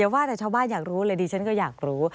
ว่าแต่ชาวบ้านอยากรู้เลยดิฉันก็อยากรู้